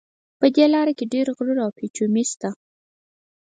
په دې لاره کې ډېر غرونه او پېچومي شته.